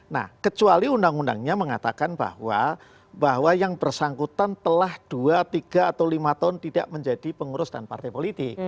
nah kecuali undang undangnya mengatakan bahwa yang bersangkutan telah dua tiga atau lima tahun tidak menjadi pengurus dan partai politik